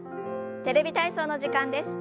「テレビ体操」の時間です。